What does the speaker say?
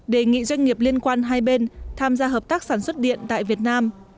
đề nghị doanh nghiệp liên quan hai bên tham gia hợp tác sản xuất điện tại việt nam